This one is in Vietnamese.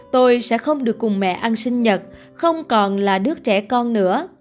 tôi sẽ không được cùng mẹ ăn sinh nhật không còn là đứa trẻ con nữa